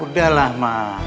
udah lah ma